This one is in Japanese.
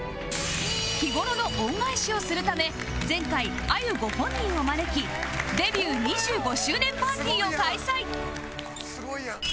日頃の恩返しをするため前回あゆご本人を招きデビュー２５周年パーティーを開催！